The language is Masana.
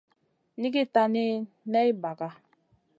Nʼiigui tani ney ɓaga.